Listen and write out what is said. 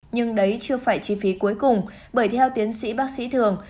nhưng đấy chưa phải chi phí cuối cùng bởi theo tiến sĩ bác sĩ thường